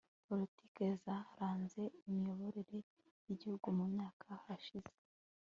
politike zaranze imiyoborere y'igihugu mu myaka yashize